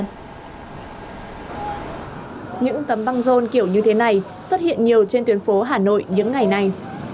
những tấm băng rôn kiểu như thế này xuất hiện nhiều trên tuyến phố hà nội những ngày này